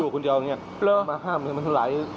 ก็จะมีหลายรถ